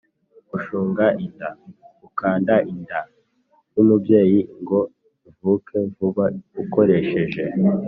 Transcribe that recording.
gushunga inda: gukanda inda y’umubyeyi ngo ivuke vuba ukoresheje